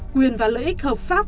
quyền và lợi ích hợp pháp